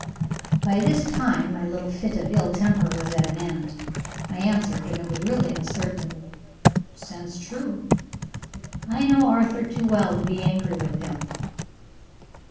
By this time my little fit of ill temper was at an end. I answered and it was really in a certain sense true "I know Arthur too well to be angry with him."